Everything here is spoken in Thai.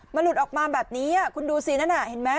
มันหลุดออกมาแบบนี้คุณดูสินั่นน่ะเห็นไหม